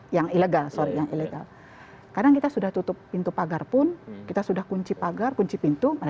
ilegal ilegal soalnya kita karena kita sudah tutup pintu pagar pun kita sudah kunci pagar kunci pintu